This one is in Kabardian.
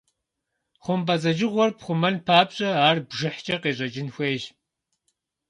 ХъумпӀэцӀэджыгъуэр пхъумэн папщӀэ, ар бжыхькӀэ къещӀэкӀын хуейщ.